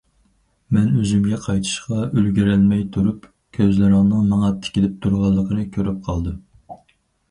مەن ئۆزۈمگە قايتىشقا ئۈلگۈرەلمەي تۇرۇپ كۆزلىرىڭنىڭ ماڭا تىكىلىپ تۇرغانلىقىنى كۆرۈپ قالدىم.